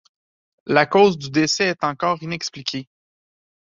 La cause du décès est encore inexpliquée.